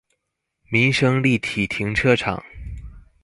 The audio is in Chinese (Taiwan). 民生立體停車場